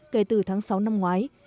kể từ tháng sáu năm ngoái